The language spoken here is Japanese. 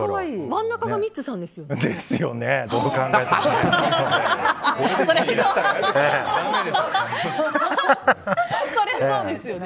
真ん中がミッツさんですよね。